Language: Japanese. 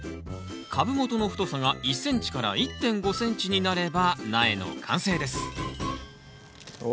株元の太さが１ｃｍから１．５ｃｍになれば苗の完成ですお。